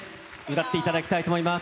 歌っていただきたいと思います。